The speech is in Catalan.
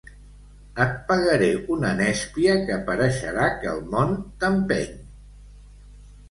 Et pegaré una nespla que pareixerà que el món t'empeny.